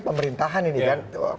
pemerintahan ini kan